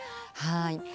はい。